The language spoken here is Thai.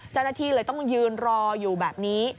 เจ้าหน้าที่เลยต้องยืนรออยู่แบบนี้